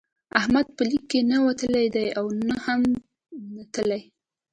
احمد به لیک کې نه وتلی دی او نه هم نتلی.